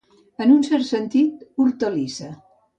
En un cert sentit, hortalissa.